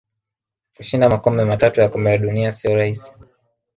Kushinda makombe matatu ya kombe la dunia siyo rahisi